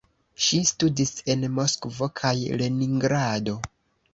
Ŝi studis en Moskvo kaj Leningrado.